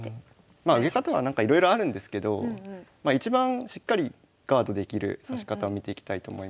まあ受け方はなんかいろいろあるんですけど一番しっかりガードできる指し方を見ていきたいと思います。